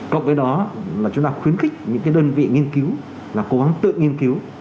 cộng với đó là chúng ta khuyến khích những đơn vị nghiên cứu là cố gắng tự nghiên cứu